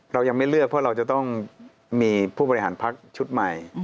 เรายังไม่เลือกเพราะเราจะต้องมีผู้บริหารพักชุดใหม่